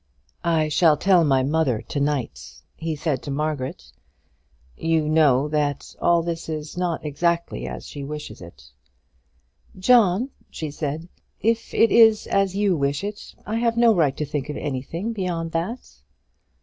"I shall tell my mother to night," he said to Margaret. "You know that all this is not exactly as she wishes it." "John," she said, "if it is as you wish it, I have no right to think of anything beyond that."